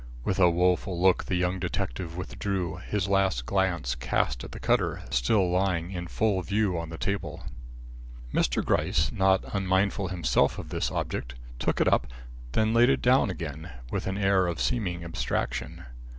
With a woeful look the young detective withdrew, his last glance cast at the cutter still lying in full view on the table. Mr. Gryce, not unmindful himself of this object, took it up, then laid it down again, with an air of seeming abstraction.